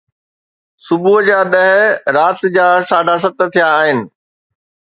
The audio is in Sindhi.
صبح جا ڏهه رات جا ساڍا ست ٿيا آهن